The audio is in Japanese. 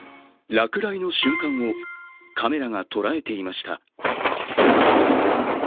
落雷の瞬間をカメラが捉えていました。